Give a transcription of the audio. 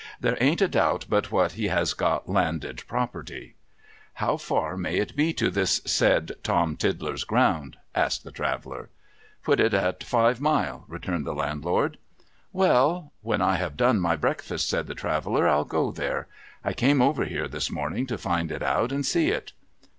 ' There ain't a doubt but what he has got landed property.' ' How fiir may it be to this said Tom Tiddler's ground ?' asked the Traveller. ' Put it at five mile,' returned the Landlord. ' Well ! ^Vhen I have done my breakfast,' said the Traveller, ' I'll go there. I came over here this morning, to find it out and see it.'